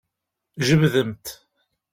Jebdemt.